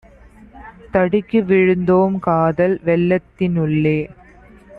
தடுக்கிவிழுந் தோம்காதல் வெள்ளத்தின் உள்ளே!